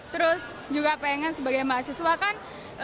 terus juga pengen sebagai mahasiswa kan